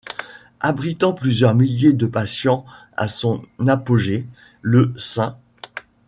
Abritant plusieurs milliers de patients à son apogée, le St.